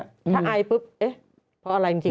ถ้าใอที่ปุ๊บพออะไรจริง